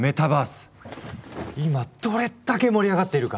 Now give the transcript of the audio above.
今どれだけ盛り上がっているか！